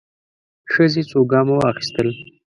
ښځې څو ګامه واخيستل.